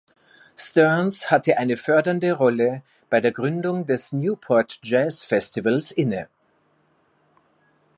Stearns hatte eine fördernde Rolle bei der Gründung des Newport Jazz Festivals inne.